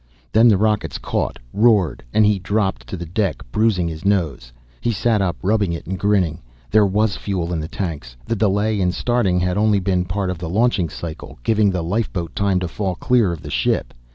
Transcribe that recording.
Then the rockets caught, roared, and he dropped to the deck, bruising his nose. He sat up, rubbing it and grinning. There was fuel in the tanks the delay in starting had only been part of the launching cycle, giving the lifeboat time to fall clear of the ship.